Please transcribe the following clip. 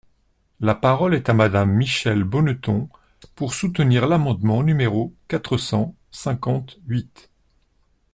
La parole est à Madame Michèle Bonneton, pour soutenir l’amendement numéro quatre cent cinquante-huit.